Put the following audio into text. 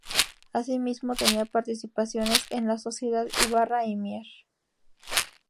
Así mismo, tenía participaciones en la Sociedad Ybarra y Mier.